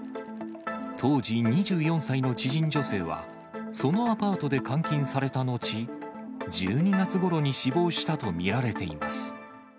当時２４歳の知人女性は、そのアパートで監禁された後、１２月ごろに死亡したと見られています。